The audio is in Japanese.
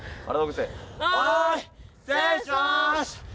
はい失礼します